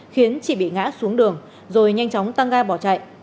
khiến chị bị ngã xuống đường rồi nhanh chóng tăng ga bỏ chạy